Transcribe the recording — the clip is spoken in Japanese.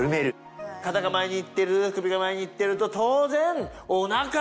肩が前にいってる首が前にいってると当然。